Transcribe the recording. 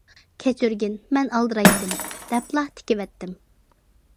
‹‹ كەچۈرگىن، مەن ئالدىرايتتىم›› دەپلا تىكىۋەتتىم.